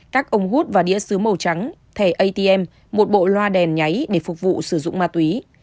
các ống hút và đĩa xứ màu trắng thẻ atm một bộ loa đèn nháy để phục vụ sử dụng ma túy